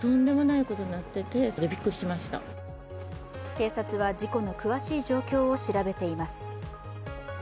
警察は事故の詳しい状況を調べています。